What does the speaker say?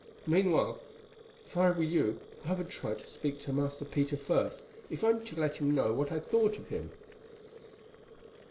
Meanwhile, if I were you, I would try to speak to Master Peter first, if only to let him know what I thought of him."